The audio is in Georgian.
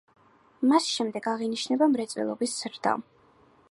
მას შემდეგ აღინიშნება მრეწველობის ზრდა.